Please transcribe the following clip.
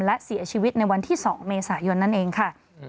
และเสียชีวิตในวันที่๒เมษายนนั่นเองค่ะ